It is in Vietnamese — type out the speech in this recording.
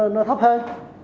nó thấp hơn